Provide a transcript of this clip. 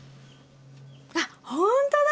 あっほんとだ！